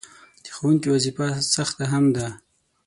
د ښوونکي وظیفه سخته هم ده.